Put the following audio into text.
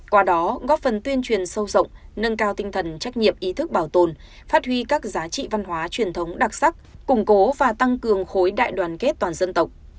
qua đó góp phần tuyên truyền sâu rộng nâng cao tinh thần trách nhiệm ý thức bảo tồn phát huy các giá trị văn hóa truyền thống đặc sắc củng cố và tăng cường khối đại đoàn kết toàn dân tộc